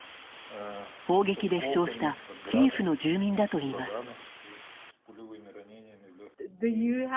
砲撃で負傷したキエフの住民だといいます。